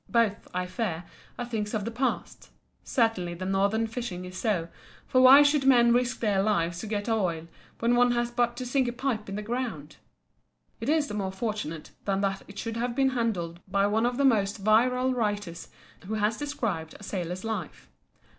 Both, I fear, are things of the past—certainly the northern fishing is so, for why should men risk their lives to get oil when one has but to sink a pipe in the ground. It is the more fortunate then that it should have been handled by one of the most virile writers who has described a sailor's life.